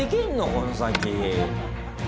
この先。